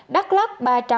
đắk lắk ba trăm bốn mươi sáu